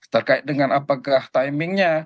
terkait dengan apakah timingnya